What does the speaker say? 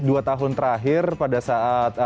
dua tahun terakhir pada saat